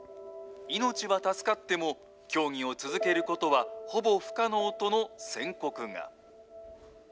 命は助かっても、競技を続けることはほぼ不可能との宣告が。